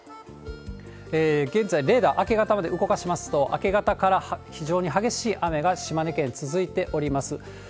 現在、レーダー、明け方まで動かしますと、明け方から非常に激しい雨が島根県、続いております。